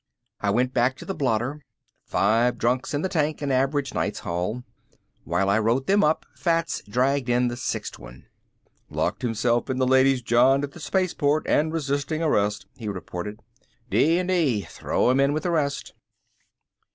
I went back to the blotter. Five drunks in the tank, an average night's haul. While I wrote them up Fats dragged in the sixth one. "Locked himself in the ladies' john at the spaceport and resisting arrest," he reported. "D and D. Throw him in with the rest."